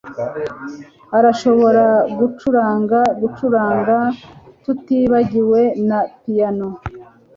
arashobora gucuranga gucuranga, tutibagiwe na piyano